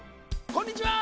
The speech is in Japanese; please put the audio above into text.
こんにちは！